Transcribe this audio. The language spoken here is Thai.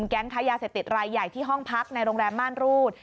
แก๊งค้ายาเสพติดรายใหญ่ที่ห้องพักในโรงแรมม่านรูด